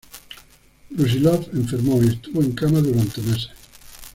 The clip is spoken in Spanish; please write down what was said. Brusílov enfermó y estuvo en cama durante meses.